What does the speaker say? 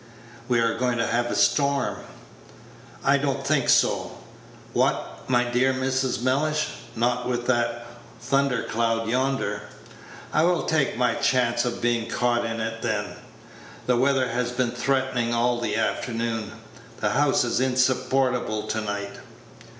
We are going to have a storm." "I don't think so." "What, my dear Mrs. Mellish, not with that thunder cloud yonder?" "I will take my chance of being caught in it, then. The weather has been threatening all the afternoon. The house is insupportable to night."